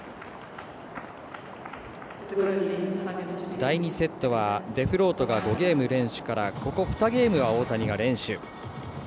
第２セットは、デフロートが５ゲーム連取からここ２ゲームは大谷が連取。